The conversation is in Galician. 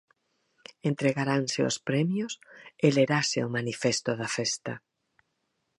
Entregaranse os premios e lerase o manifesto da festa.